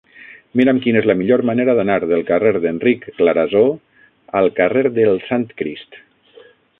Mira'm quina és la millor manera d'anar del carrer d'Enric Clarasó al carrer del Sant Crist.